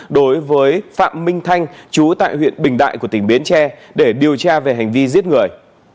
đối với phạm minh thanh chú tại huyện bình đại của tỉnh bến tre để điều tra về hành vi giết người